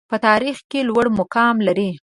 په تاریخ کې لوړ مقام لري.